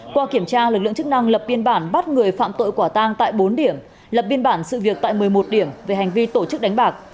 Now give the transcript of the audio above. qua kiểm tra lực lượng chức năng lập biên bản bắt người phạm tội quả tang tại bốn điểm lập biên bản sự việc tại một mươi một điểm về hành vi tổ chức đánh bạc